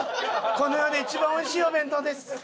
この世で一番おいしいお弁当です！